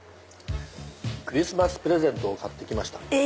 クリスマスプレゼントを買って来ました。